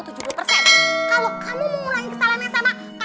kalau kamu mau mulai kesalahan yang sama